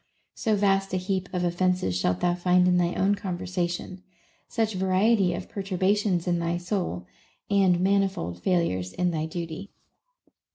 So vast a heap of offences shalt thou find in thy own con versation, such variety of perturbations in thy soul, and manifold failures in thy duty.